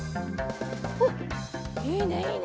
おっいいねいいね